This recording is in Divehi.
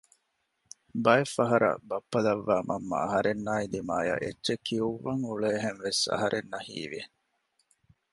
ބައެއްފަހަރަށް ބައްޕަ ލައްވައި މަންމަ އަހަރެންނާއި ދިމަޔަށް އެއްޗެއް ކިއުއްވަން އުޅޭހެންވެސް އަހަރެންނަށް ހީވެ